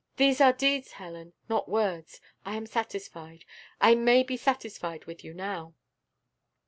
These are deeds, Helen, not words: I am satisfied I may be satisfied with you now!